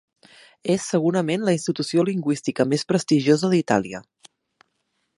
És segurament la institució lingüística més prestigiosa d'Itàlia.